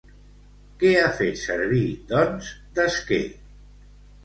Què ha fet servir, doncs, d'esquer?